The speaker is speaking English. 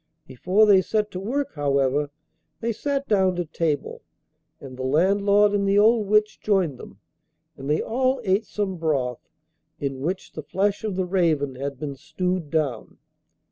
Before they set to work, however, they sat down to table, and the landlord and the old witch joined them, and they all ate some broth in which the flesh of the raven had been stewed down.